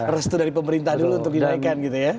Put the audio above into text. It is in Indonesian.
restu dari pemerintah dulu untuk dinaikkan gitu ya